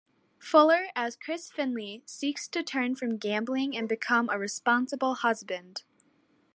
Fuller as Chris Finley seeks to turn from gambling and become a responsible husband.